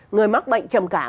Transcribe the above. người mắc bệnh trầm cảm